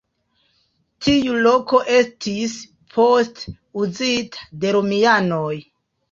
Tiu loko estis poste uzita de romianoj.